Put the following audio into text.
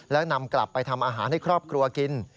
แล้วนำกลับไปทำอาหารให้ครอบครัวกิน